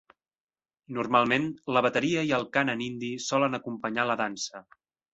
Normalment, la bateria i el cant en hindi solen acompanyar la dansa.